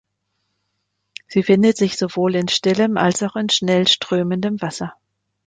Sie findet sich sowohl in stillem als auch in schnell strömendem Wasser.